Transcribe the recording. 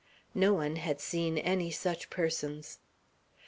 No one had seen any such persons.